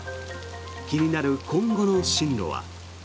気になる今後の進路は。